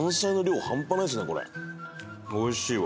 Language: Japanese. おいしいわ。